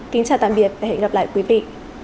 kính chào tạm biệt và hẹn gặp lại quý vị